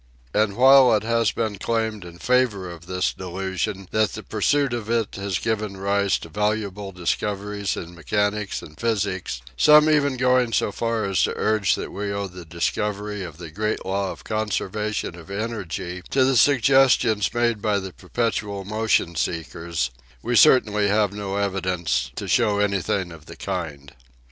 And while it has been claimed in favor of this delusion that the pursuit of it has given rise to valuable discoveries in mechanics and physics, some even going so far as to urge that we owe the discovery of the great law of the conservation of energy to the sugges tions made by the perpetual motion seekers, we certainly have no evidence to show anything of the kind.